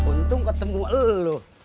untung ketemu lo